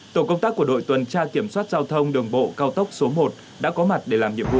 tổ công tác của đội tuần tra kiểm soát giao thông đường bộ cao tốc số một đã có mặt để làm nhiệm vụ